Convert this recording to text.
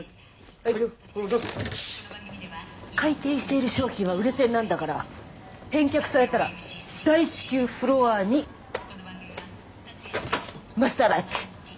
回転している商品は売れ線なんだから返却されたら大至急フロアにマスターバック。